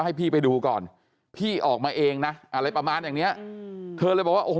ให้พี่ไปดูก่อนพี่ออกมาเองนะอะไรประมาณอย่างเนี้ยอืมเธอเลยบอกว่าโอ้โห